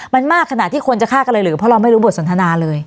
มันมากขนาดที่คนจะฆ่ากันเลยหรือเพราะเราไม่รู้บทสนทนาเลย